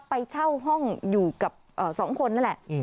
ไปเช่าห้องอยู่กับสองคนนั่นแหละ